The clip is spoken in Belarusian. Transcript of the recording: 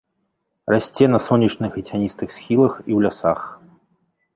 Расце на сонечных і цяністых схілах і ў лясах.